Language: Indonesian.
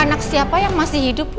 anak siapa yang masih hidup